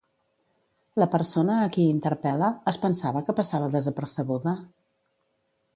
La persona a qui interpel·la, es pensava que passava desapercebuda?